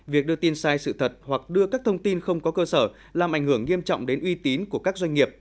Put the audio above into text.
việc đưa tin sai sự thật hoặc đưa các thông tin không có cơ sở làm ảnh hưởng nghiêm trọng đến uy tín của các doanh nghiệp